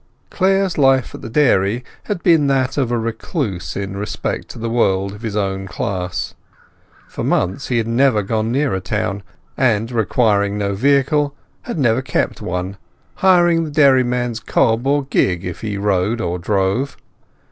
Clare's life at the dairy had been that of a recluse in respect the world of his own class. For months he had never gone near a town, and, requiring no vehicle, had never kept one, hiring the dairyman's cob or gig if he rode or drove.